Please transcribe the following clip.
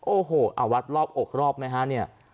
โอ้โหเอาวัดรอบอกรอบไหมฮะเนี่ย